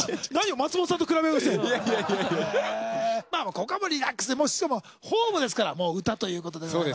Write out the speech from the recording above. ここはもうリラックスでもうしかもホームですから歌ということでございますから。